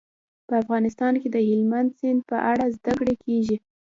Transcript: په افغانستان کې د هلمند سیند په اړه زده کړه کېږي.